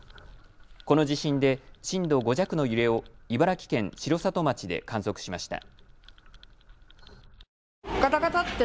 この地震で震度５弱の揺れを茨城県城里町で観測しました。